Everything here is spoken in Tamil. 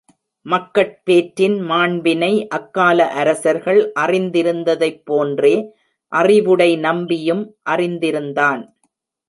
மக்கட் பேற்றின் மாண்பினை, அக்கால அரசர்கள் அறிந்திருந்ததைப் போன்றே, அறிவுடை நம்பியும் அறிந்திருந்தான்.